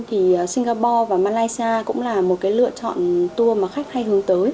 thì singapore và malaysia cũng là một cái lựa chọn tour mà khách hay hướng tới